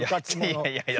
いやいやいや。